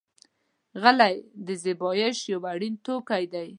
غلۍ د زېبایش یو اړین توکی دی.